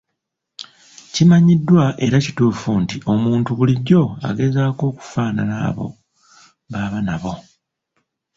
Kimanyiddwa era kituufu nti ,omuntu bulijjo agezaako okufaanana abo b’aba nabo.